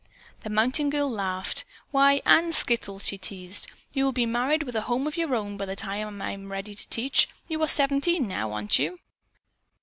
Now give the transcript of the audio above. The mountain girl laughed. "Why, Ann Skittle!" she teased. "You will be married, with a home of your own, by the time that I am ready to teach. You are seventeen, now, aren't you?"